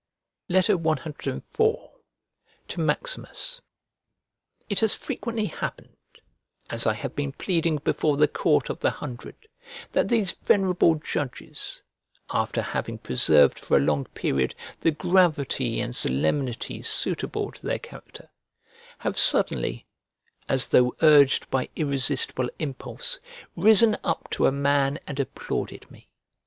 CIV To MAXIMUS IT has frequently happened, as I have been pleading before the Court of the Hundred, that these venerable judges, after having preserved for a long period the gravity and solemnity suitable to their character, have suddenly, as though urged by irresistible impulse, risen up to a man and applauded me.